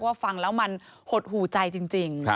ฟังแล้วมันหดหูใจจริง